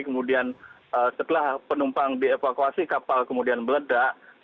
kemudian setelah penumpang dievakuasi kapal kemudian meledak